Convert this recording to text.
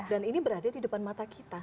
dan ini berada di depan mata kita